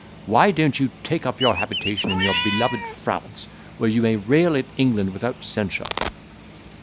Why don't you take up your habitation in your beloved France, where you may rail at England without censure?"